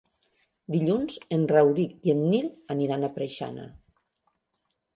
Dilluns en Rauric i en Nil aniran a Preixana.